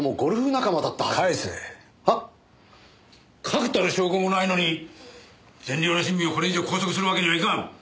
確たる証拠もないのに善良な市民をこれ以上拘束するわけにはいかん！